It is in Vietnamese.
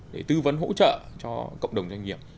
để tư vấn hỗ trợ cho cộng đồng doanh nghiệp